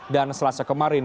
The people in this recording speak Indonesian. dan selasa kemarin